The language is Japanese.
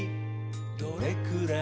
「どれくらい？